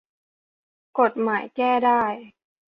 กฎหมายแก้ได้